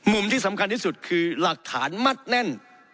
ที่สำคัญที่สุดคือหลักฐานมัดแน่น